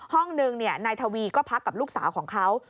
ห้องหนึ่งนายทวีก็พักกับลูกสาวของเขา